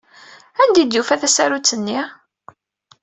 Anda ay d-yufa tasarut-nni?